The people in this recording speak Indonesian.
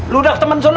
lu udah temen suno